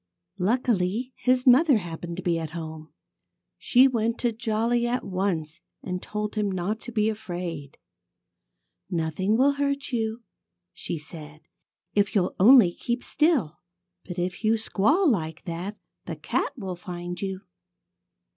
Luckily, his mother happened to be at home. She went to Jolly at once and told him not to be afraid. "Nothing will hurt you," she said, "if you'll only keep still. But if you squall like that, the cat will find you."